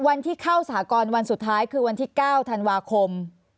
วันที่เข้าสหกรณ์วันสุดท้ายคือวันที่๙ธันวาคม